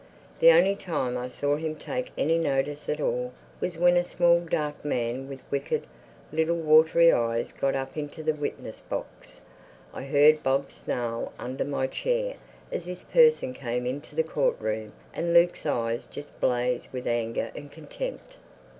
The only time I saw him take any notice at all was when a small dark man with wicked, little, watery eyes got up into the witness box. I heard Bob snarl under my chair as this person came into the court room and Luke's eyes just blazed with anger and contempt.